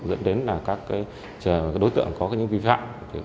dẫn đến các đối tượng có những vi phạm